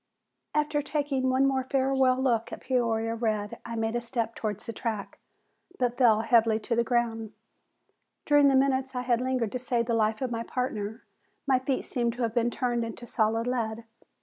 After taking one more farewell look at Peoria Red I made a step towards the track, but fell heavily to the ground. During the minutes I had lingered to save the life of my partner my feet seemed to have been turned into solid lead.